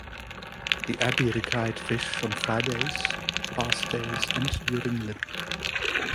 The abbey required fish on Fridays, fast days and during Lent.